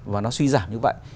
và nó suy giảm như vậy